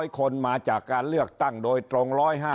๐คนมาจากการเลือกตั้งโดยตรง๑๕